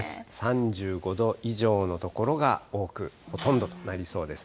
３５度以上の所が多く、ほとんどとなりそうです。